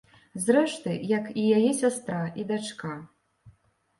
Зрэшты, як і яе сястра і дачка.